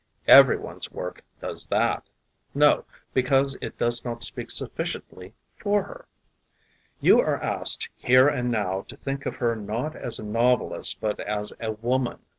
Every one's work does that. No, because it does not speak sufficiently for her. You are asked here and now to think of her not as a novelist but as a woman.